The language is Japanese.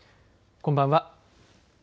こんばんは。